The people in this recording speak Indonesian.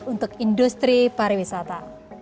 untuk industri pariwisata